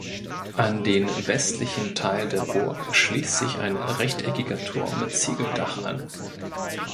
An den westlichen Teil der Burg schließt sich ein rechteckiger Turm mit Ziegeldach an.